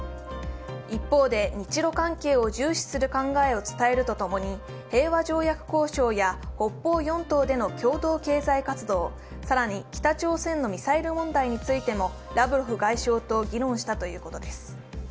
一方で日ロ関係を重視する考えを伝えるとともに平和条約交渉や北方四島での共同経済活動、更に北朝鮮のミサイル問題についてもラブロフ外相と議論したということです。